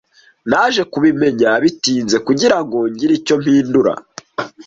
Naje kubimenya bitinze kugirango ngire icyo mpindura.